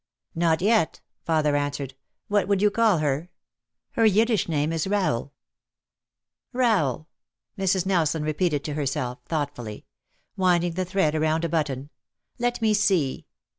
"Not yet," father answered. "What would you call her? Her Yiddish name is Rahel." "Rahel, Rahel," Mrs. Nelson repeated to herself, thoughtfully, winding the thread around a button; "let me see."